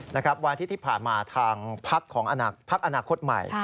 วันอาทิตย์ที่ผ่านมาทางพักของพักอนาคตใหม่